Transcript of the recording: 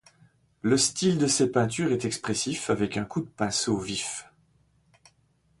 Le style de ses peintures est expressif avec un coup de pinceau vif.